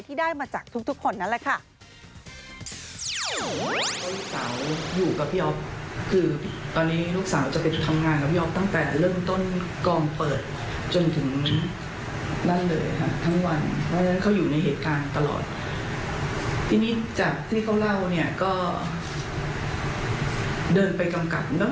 ที่ได้มาจากทุกคนนั่นแหละค่ะ